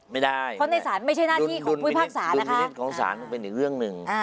ไม่ได้เพราะในศาลไม่ใช่หน้าที่ของผู้พิพากษานะคะของศาลมันเป็นอีกเรื่องหนึ่ง